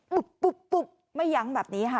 ปุ๊บปุ๊บไม่ยั้งแบบนี้ค่ะ